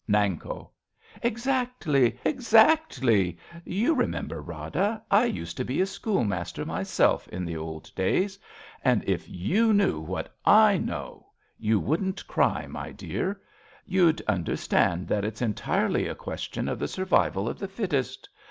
Nanko. Exactly ! Exactly ! You remember, Rada, I used to be a schoolmaster my self in the old days ; and if you knew what / know, you wouldn't cry, my dear. You'd understand that it's entirely a question of the survival of the fittest.